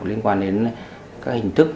liên quan đến các hình thức